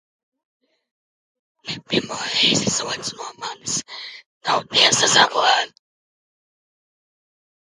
Ne pirmo reizi zodz no manis, nav tiesa zaglēn?